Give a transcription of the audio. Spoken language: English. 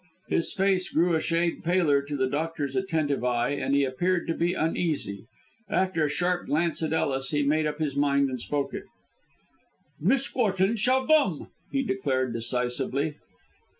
His face grew a shade paler to the doctor's attentive eye, and he appeared to be uneasy. After a sharp glance at Ellis, he made up his mind and spoke it. "Miss Corton shall gome!" he declared decisively.